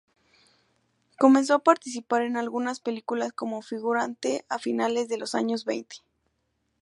Comenzó a participar en algunas películas como figurante a finales de los años veinte.